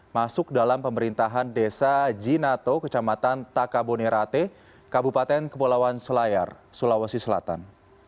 masuk dalam pemerintahan desa jinato kecamatan takabonerate kabupaten kepulauan selayar sulawesi selatan